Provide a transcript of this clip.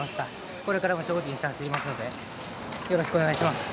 これからも精進して走りますのでよろしくお願いします。